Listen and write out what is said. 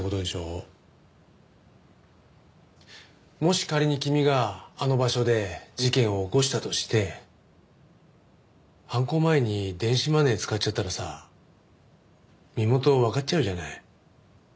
もし仮に君があの場所で事件を起こしたとして犯行前に電子マネー使っちゃったらさ身元わかっちゃうじゃない。